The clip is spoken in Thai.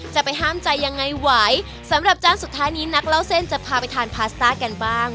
จะไปห้ามใจยังไงไหวสำหรับจานสุดท้ายนี้นักเล่าเส้นจะพาไปทานพาสต้ากันบ้าง